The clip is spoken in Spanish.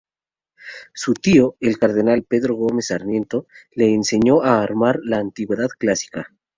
Su tío, el cardenal Pedro Gómez Sarmiento, le enseñó a amar la antigüedad clásica.